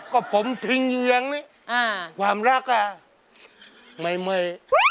ก็ผมทิ้งอยู่อย่างนี้ความรักน่ะไม่เมื่อย